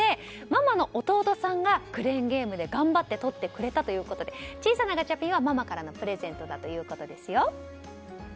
ママの弟さんがクレーンゲームで頑張ってとってくれたということで小さなガチャピンはママからのプレゼントだということですよ。